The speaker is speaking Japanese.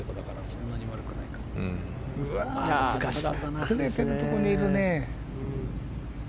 くねてるところにいるね。